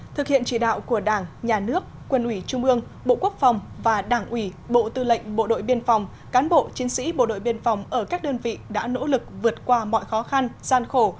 thực hiện chỉ đạo của đảng nhà nước quân ủy trung ương bộ quốc phòng và đảng ủy bộ tư lệnh bộ đội biên phòng cán bộ chiến sĩ bộ đội biên phòng ở các đơn vị đã nỗ lực vượt qua mọi khó khăn gian khổ